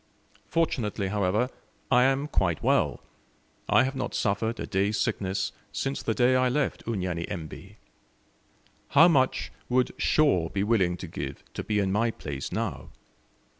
Fortunately, however, I am quite well; I have not suffered a day's sickness since the day I left Unyanyembe. How much would Shaw be willing to give to be in my place now?